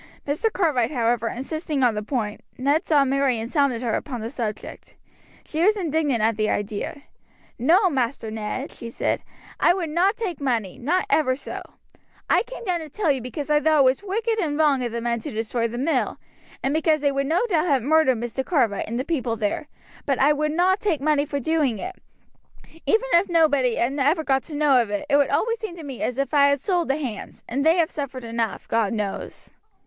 Mr. Cartwright, however, insisting on the point, Ned saw Mary and sounded her upon the subject. She was indignant at the idea. "No, Master Ned," she said, "I would not take money, not ever so. I came down to tell you because I thought it wicked and wrong of the men to destroy the mill, and because they would no doubt have murdered Mr. Cartwright and the people there; but I would not take money for doing it. Even if nobody ever got to know of it, it would always seem to me as if I had sold the hands, and they have suffered enough, God knows."